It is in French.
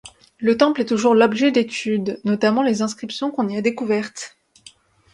Le temple est toujours l'objet d'études, notamment les inscriptions qu'on y a découvertes.